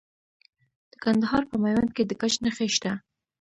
د کندهار په میوند کې د ګچ نښې شته.